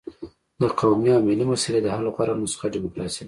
د قومي او ملي مسلې د حل غوره نسخه ډیموکراسي ده.